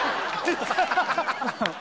ハハハ！